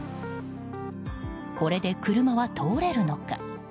これで車は通れるのか？